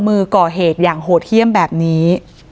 มือก่อเหตุอย่างโหดเยี่ยมแบบนี้